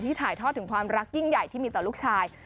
ถ่ายทอดถึงความรักยิ่งใหญ่ที่มีต่อลูกชาย